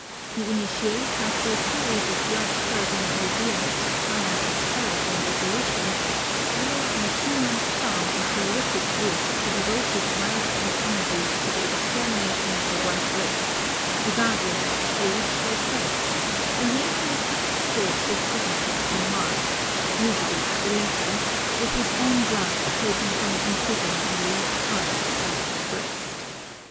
The initiate, after a series of blood curdling ordeals to try out his courage and resolution, swore on a human skull a terrific oath to devote his life and energies to the extermination of the white race, regardless of age or sex, and later affixed to it his signature or mark, usually the latter, with his own blood taken from an incision in the left arm or left breast.